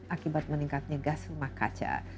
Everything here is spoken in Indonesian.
akibat meningkatnya gas rumah kaca